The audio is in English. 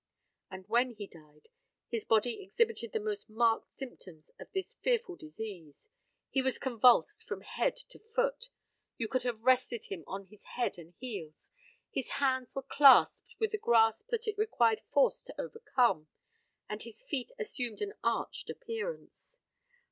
And when he died, his body exhibited the most marked symptoms of this fearful disease. He was convulsed from head to foot. You could have rested him on his head and heels his hands were clasped with a grasp that it required force to overcome, and his feet assumed an arched appearance.